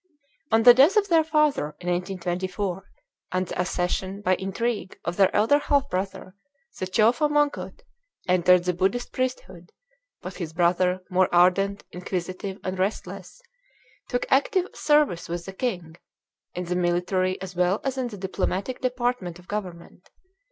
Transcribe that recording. On the death of their father (in 1824), and the accession, by intrigue, of their elder half brother, the Chowfa Mongkut entered the Buddhist priesthood; but his brother, more ardent, inquisitive, and restless, took active service with the king, in the military as well as in the diplomatic department of government.